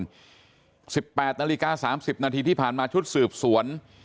๑๘นาฬิกา๓๐นาทีที่ผ่านมาชุดสืบสวน